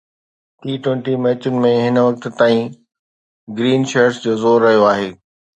ٽي twenty ميچن ۾ هن وقت تائين گرين شرٽس جو زور رهيو آهي